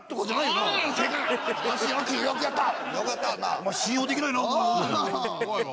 お前信用できないな怖いわ。